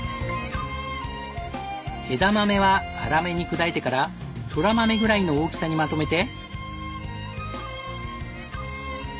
枝豆は粗めに砕いてからそら豆ぐらいの大きさにまとめて。